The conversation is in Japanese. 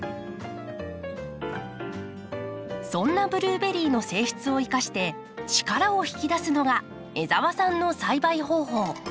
そんなブルーベリーの性質を生かして力を引き出すのが江澤さんの栽培方法。